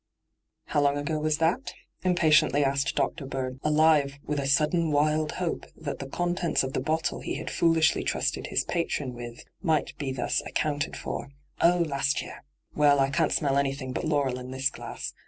' How long was that ago V impatiently asked Dr. Bird, alive with a sudden wild hope that the contents of the bottle he had fooUshly trusted his patron with might be thus accounted for. ' Oh, last year I Well, I can't smell any thing but laurel in this glass.